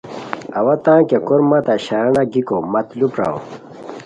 اوا تان کیہ کورمہ تہ شارانہ گیکو مت لُو پراؤ